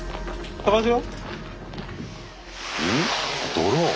ドローン。